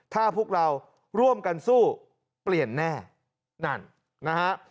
ถ้าพวกเราร่วมกันสู้เปลี่ยนแน่นั่นนะฮะ